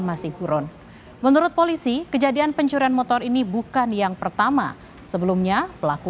masih buron menurut polisi kejadian pencurian motor ini bukan yang pertama sebelumnya pelaku